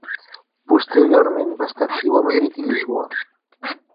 Posteriorment va estar actiu a Madrid i Lisboa.